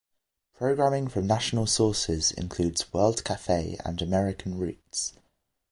Programming from national sources includes "World Cafe" and "American Routes".